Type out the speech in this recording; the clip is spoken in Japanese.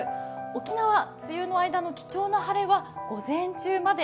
沖縄、梅雨の間の貴重な晴れは午前中まで。